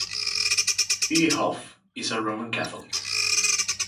Bierhoff is a Roman Catholic.